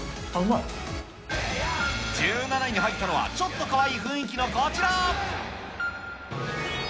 １７位に入ったのは、ちょっとかわいい雰囲気のこちら。